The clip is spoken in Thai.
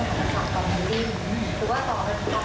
สองคนสองคนสองคนหนึ่งหรือว่าต่อไปครับ